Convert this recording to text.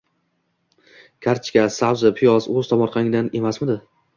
Kartishka, sabzi-piyoz o‘z tomorqangdan emasmidi